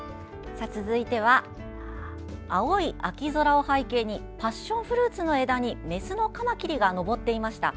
続いては青い秋空を背景にパッションフルーツの枝にメスのカマキリが登っていました。